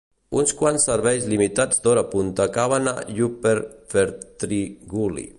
Uns quants serveis limitats d'hora punta acaben a Upper Ferntree Gully.